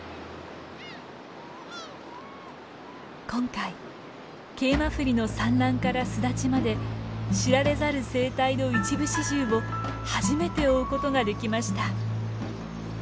今回ケイマフリの産卵から巣立ちまで知られざる生態の一部始終を初めて追うことができました。